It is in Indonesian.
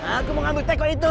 aku mau ngambil teko itu